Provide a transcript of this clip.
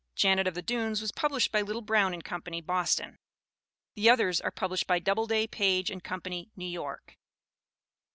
Janet of the Dunes was published by Little, Brown & Company, Boston; the others are published by Double day, Page & Company, New York.